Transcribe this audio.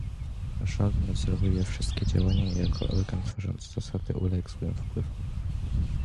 Rząd nadzoruje wszystkie działania i jako organ tworzący zasady uległ złym wpływom